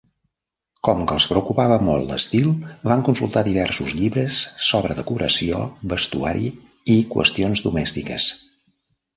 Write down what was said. Com que els preocupava molt l'estil, van consultar diversos llibres sobre decoració, vestuari i qüestions domèstiques.